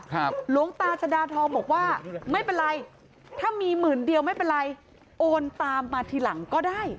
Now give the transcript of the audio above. หลวงตาชดาทองบอกว่าไม่เป็นไรถ้ามีหมื่นเดียวไม่เป็นไรโอนตามมาทีหลังก็ได้